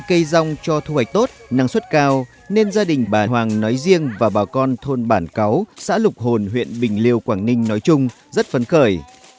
cây rong cho thu hoạch tốt năng suất cao nên gia đình bà hoàng nói riêng và bà con thôn bản cáo xã lục hồn huyện bình liêu quảng ninh nói chung rất phấn khởi